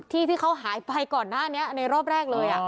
ที่เขาหายไปก่อนหน้านี้ในรอบแรกเลย